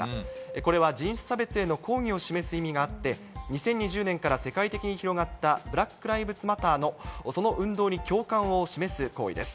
これは、人種差別への抗議を示す意味があって、２０２０年から世界的に広がったブラック・ライブズ・マターのその運動に共感を示す行為です。